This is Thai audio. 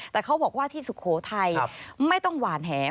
แต่เขาบอกว่าที่สุโขทัยไม่ต้องหวานแห